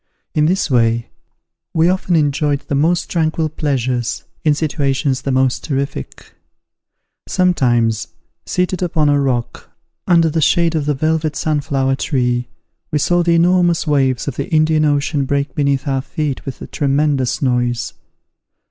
In this way, we often enjoyed the most tranquil pleasures in situations the most terrific. Sometimes, seated upon a rock, under the shade of the velvet sunflower tree, we saw the enormous waves of the Indian Ocean break beneath our feet with a tremendous noise.